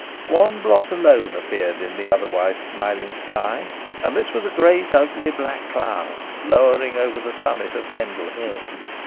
One blot alone appeared in the otherwise smiling sky, and this was a great, ugly, black cloud lowering over the summit of Pendle Hill.